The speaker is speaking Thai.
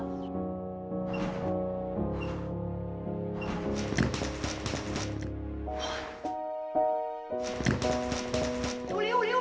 ริ้ว